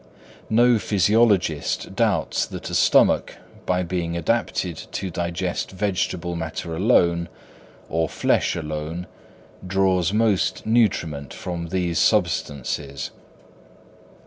No physiologist doubts that a stomach by being adapted to digest vegetable matter alone, or flesh alone, draws most nutriment from these substances.